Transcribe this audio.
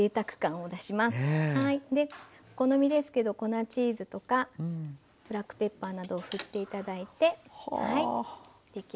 でお好みですけど粉チーズとかブラックペッパーなどをふって頂いてはい出来上がりました。